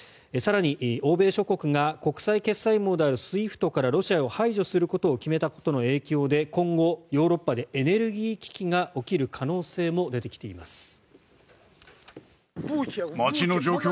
更に欧米諸国が国際決済網であるＳＷＩＦＴからロシアを排除することを決めたことの影響で今後、ヨーロッパでエネルギー危機が起きる可能性も出てきています。